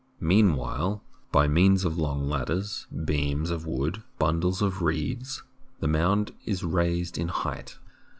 Meanwhile, by means of long ladders, beams of wood, bundles of reeds, the mound is raised in height.